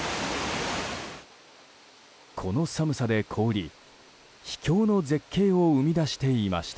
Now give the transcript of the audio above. この寒さで凍り、秘境の絶景を生み出していました。